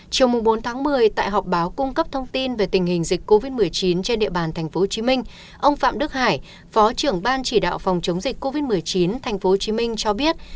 chiều bốn tháng một mươi tại họp báo cung cấp thông tin về tình hình dịch covid một mươi chín trên địa bàn tp hcm ông phạm đức hải phó trưởng ban chỉ đạo phòng chống dịch covid một mươi chín tp hcm cho biết